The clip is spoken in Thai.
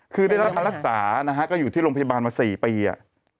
คือได้รับมารักษานะฮะก็อยู่ที่โรงพยาบาลมา๔ปีอ่ะ